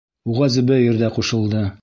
Уға Зөбәйер ҙә ҡушылды.